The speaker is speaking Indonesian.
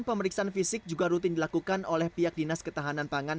pemeriksaan fisik juga rutin dilakukan oleh pihak dinas ketahanan pangan